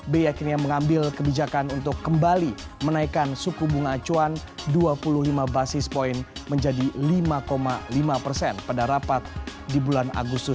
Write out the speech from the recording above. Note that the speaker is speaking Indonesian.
bi akhirnya mengambil kebijakan untuk kembali menaikkan suku bunga acuan dua puluh lima basis point menjadi lima lima persen pada rapat di bulan agustus